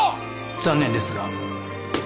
残念ですが。